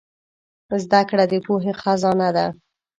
زدهکړه د پوهې خزانه ده.